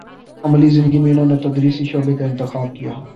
عملی زندگی میں انہوں نے تدریسی شعبے کا انتخاب کیا